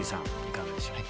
いかがでしょう？